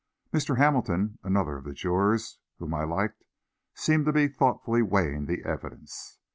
Mr. Hamilton, another of the jurors whom I liked, seemed to be thoughtfully weighing the evidence.